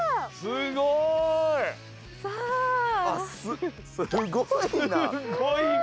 すごい！